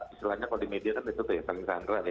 istilahnya kalau di media kan itu tuh ya saling sandra